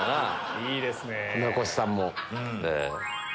船越さんも。